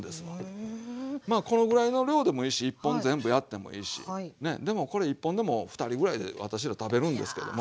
まあこのぐらいの量でもいいし１本全部やってもいいしねでもこれ１本でも２人ぐらいで私ら食べるんですけども。